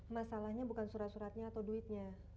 masalahnya bukan surat suratnya atau duitnya